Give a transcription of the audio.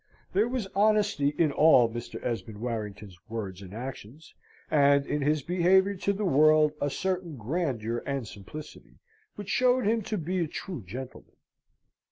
There was honesty in all Mr. Esmond Warrington's words and actions, and in his behaviour to the world a certain grandeur and simplicity, which showed him to be a true gentleman.